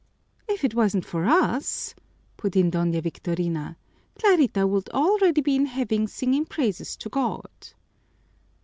"If it wasn't for us," put in Doña Victorina, "Clarita would already be in heaven singing praises to God."